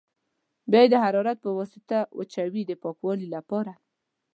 بیا یې د حرارت په واسطه وچوي د پاکوالي لپاره.